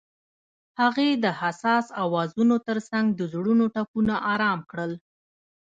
هغې د حساس اوازونو ترڅنګ د زړونو ټپونه آرام کړل.